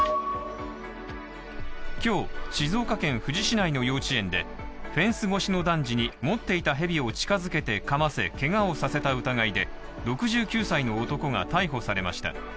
今日、静岡県富士市内の幼稚園で、フェンス越しの男児に持っていたヘビを近づけて噛ませけがをさせた疑いで、６９歳の男が逮捕されました。